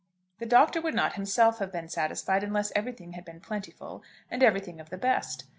The Doctor would not himself have been satisfied unless everything had been plentiful, and everything of the best.